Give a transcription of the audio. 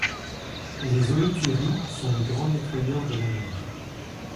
Les holothuries sont les grands nettoyeurs de la mer.